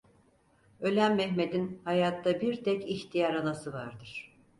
Ölen Mehmet’in hayatta bir tek ihtiyar anası vardır.